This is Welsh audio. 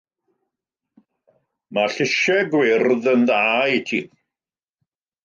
Mae llysiau gwyrdd yn dda i ti.